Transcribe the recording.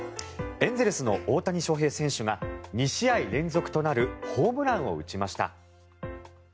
エンゼルスの大谷翔平選手が２試合連続となるホームランを打ちました。